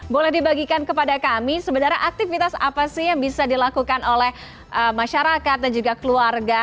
boleh dibagikan kepada kami sebenarnya aktivitas apa sih yang bisa dilakukan oleh masyarakat dan juga keluarga